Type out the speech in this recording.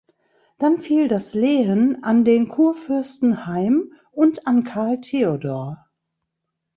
Dann fiel das Lehen an den Kurfürsten heim und an Karl Theodor.